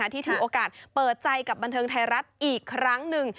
ที่ถือโอกาสเปิดใจกับบันเทิงไทยรัฐอีกครั้งหนึ่ง